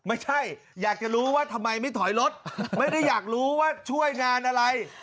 ไม่ใช่อยากจะรู้ว่าทำไมไม่ถอยรถไม่ได้อยากรู้ว่าช่วยงานอะไร